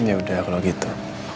ya udah kalau gitu